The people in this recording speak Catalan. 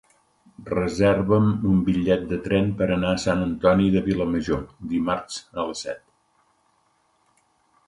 Reserva'm un bitllet de tren per anar a Sant Antoni de Vilamajor dimarts a les set.